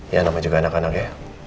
ya namanya juga anak anak ya